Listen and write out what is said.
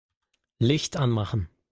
Licht anmachen.